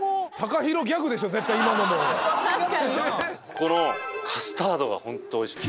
ここのカスタードがホントおいしい。